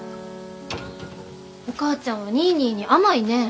お母ちゃんはニーニーに甘いねぇ。